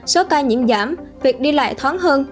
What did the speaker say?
số ca nhiễm giảm việc đi lại thoáng hơn